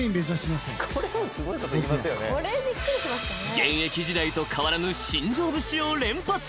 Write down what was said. ［現役時代と変わらぬ新庄節を連発］